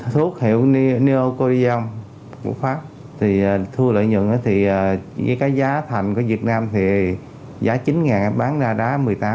thuốc hiệu neocordion của pháp thì thua lợi nhuận thì cái giá thành của việt nam thì giá chín em bán ra đó một mươi tám